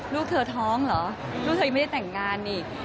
ลูกเธอท้องเหรอลูกเธอยังไม่ได้แต่งงานนี่